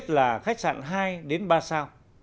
là khách sạn hai đến ba sao